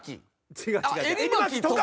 違う違う。